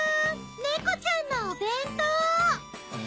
猫ちゃんのお弁当！